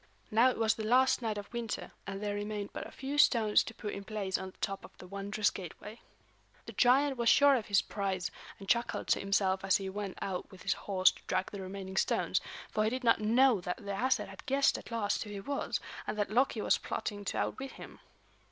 Now it was the last night of winter, and there remained but a few stones to put in place on the top of the wondrous gateway. The giant was sure of his prize, and chuckled to himself as he went out with his horse to drag the remaining stones; for he did not know that the Æsir had guessed at last who he was, and that Loki was plotting to outwit him.